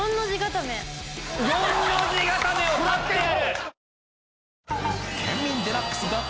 四の字固めを立ってやる！